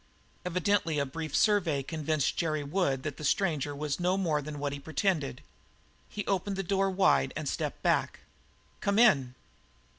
Evidently a brief survey convinced Jerry Wood that the stranger was no more than what he pretended. He opened the door wide and stepped back. "Come in."